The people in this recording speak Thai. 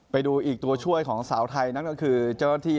ไปดูอีกตัวช่วยของสาวไทยนั่นก็คือเจ้าหน้าที่